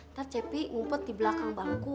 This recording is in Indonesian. ntar cepi ngumpet di belakang bangku